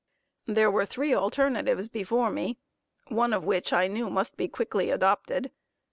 There were three alternatives before me, one of which I knew must quickly be adopted.